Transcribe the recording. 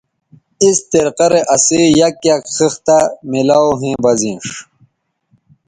اِس طریقہ رے اسئ یک یک خِختہ میلاو ھویں بہ زینݜ